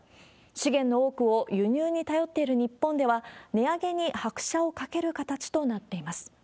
資源の多くを輸入に頼っている日本では、値上げに拍車をかける形となっています。